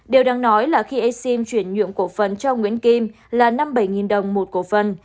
điều đáng nói là khi e sim chuyển nhượng cổ phần cho nguyễn kim là năm mươi bảy đồng một cổ phần